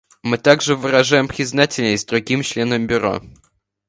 Мы также выражаем признательность другим членам Бюро.